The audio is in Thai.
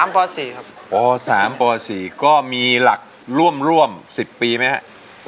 ป๓๔ก็มีหลักร่วม๑๐ปีไหมครับ